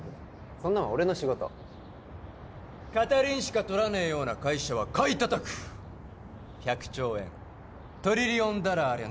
そんなんは俺の仕事片輪しかとらねえような会社は買いたたく１００兆円トリリオンダラーありゃ